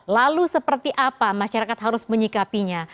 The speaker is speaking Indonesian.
lalu seperti apa masyarakat harus menyikapinya